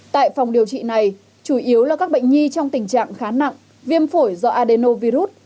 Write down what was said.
tại phòng điều trị này chủ yếu là các bệnh nhi trong tình trạng khá nặng viêm phổi do adeno virus